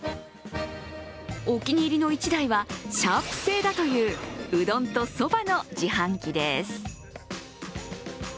お気に入りの１台はシャープ製だといううどんとそばの自販機です。